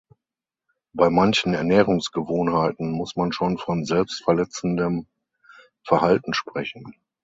Bei manchen Ernährungsgewohnheiten muss man schon von selbstverletzendem Verhalten sprechen.